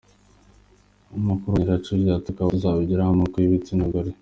Mu nkuru yacu ikurikira, tukaba tuzabagezaho amoko y’ibitsina gore.